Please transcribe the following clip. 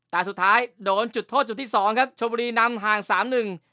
แต่สุดท้ายโดนจุดโทษจุดที่สองครับชมบุรีนำห่างสามหนึ่ง